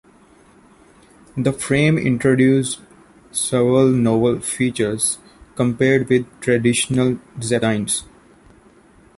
The frame introduced several novel features compared with traditional Zeppelin designs.